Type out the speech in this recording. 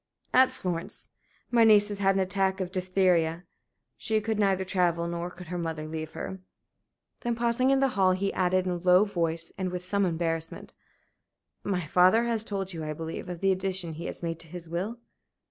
"At Florence. My niece has had an attack of diphtheria. She could neither travel nor could her mother leave her." Then pausing in the hall, he added in a low voice, and with some embarrassment: "My father has told you, I believe, of the addition he has made to his will?"